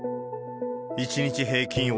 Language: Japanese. １日平均